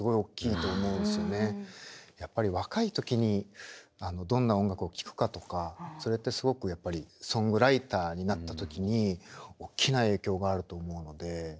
やっぱり若い時にどんな音楽を聴くかとかそれってすごくやっぱりソングライターになった時におっきな影響があると思うので。